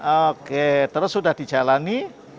oke terus sudah dijalani